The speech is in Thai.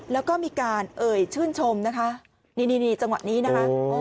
แล้วก็มีการเอ่ยชื่นชมนะคะนี่นี่จังหวะนี้นะคะ